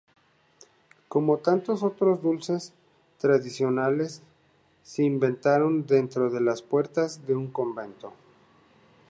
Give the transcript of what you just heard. Como tantos otros dulces tradicionales, se inventaron dentro de las puertas de un convento.